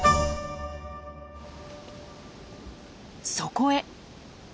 そこへ！